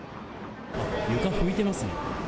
床拭いてますね。